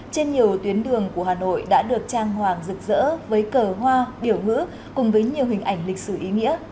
trên nhiều tuyến đường của hà nội đã được trang hoàng rực rỡ với cờ hoa biểu ngữ cùng với nhiều hình ảnh lịch sử ý nghĩa